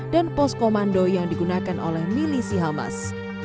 dan pos komando yang digunakan oleh milisi hamas